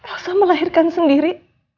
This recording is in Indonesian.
elsa melahirkan sendiri